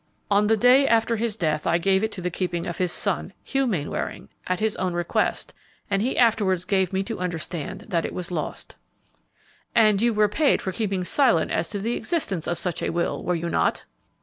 "On the day after his death, I gave it into the keeping of his son, Hugh Mainwaring, at his own request, and he afterwards gave me to understand that it was lost." "And you were paid for keeping silent as to the existence of such a will, were you not?"